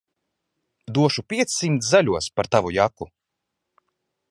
Došu piecsimt zaļos par tavu jaku.